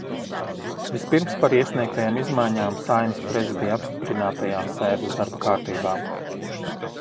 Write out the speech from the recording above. Vispirms par iesniegtajām izmaiņām Saeimas Prezidija apstiprinātajā sēdes darba kartībā.